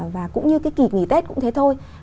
và cũng như cái kỳ nghỉ tết cũng thế thôi